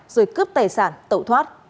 rồi cướp tài sản tẩu thoát